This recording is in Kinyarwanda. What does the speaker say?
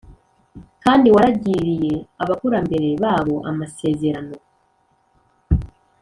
kandi waragiriye abakurambere babo amasezerano